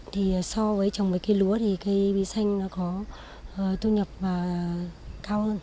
thì so với trồng với cây lúa thì cây bí xanh nó có thu nhập cao hơn